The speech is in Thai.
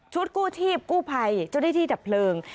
ชุดกู้ทีบกู้ไภเจ้าได้ที่ดับเพลิง